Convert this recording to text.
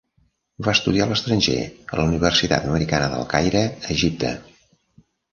Va estudiar a l'estranger, a la Universitat Americana del Caire, Egipte.